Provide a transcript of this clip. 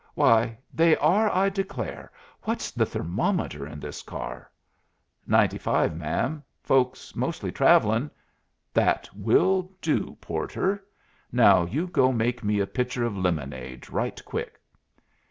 Why, they are, I declare! What's the thermometer in this car?" "Ninety five, ma'am. Folks mostly travelling " "That will do, porter. Now you go make me a pitcher of lemonade right quick."